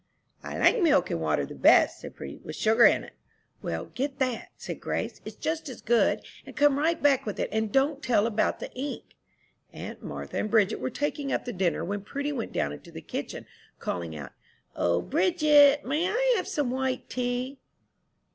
"I like milk and water the best," said Prudy, "with sugar in." "Well, get that," said Grace, "it's just as good; and come right back with it, and don't tell about the ink." Aunt Martha and Bridget were taking up the dinner when Prudy went down into the kitchen, calling out, "O, Bridget, may I have some white tea?"